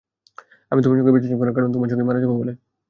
আমি তোমার সঙ্গে বেঁচে আছি, কারণ তোমার সঙ্গেই মারা যাব বলে।